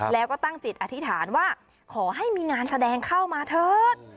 แล้วก็ตั้งจิตอธิษฐานว่าขอให้มีงานแสดงเข้ามาเถิด